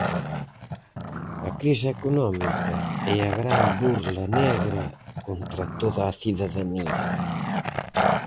A crise económica é a gran burla negra contra toda a cidadanía.